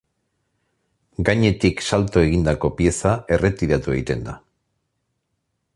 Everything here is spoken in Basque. Gainetik salto egindako pieza erretiratu egiten da.